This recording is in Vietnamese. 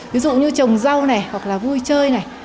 ví dụ như trồng rau này hoặc là vui chơi này